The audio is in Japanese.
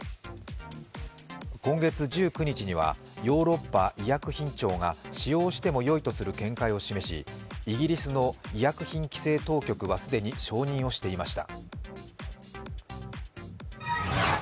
今月１９日には、ヨーロッパ医薬品庁が使用してもよいとする見解を示し、イギリスの医薬品規制当局は既に承認をしていました。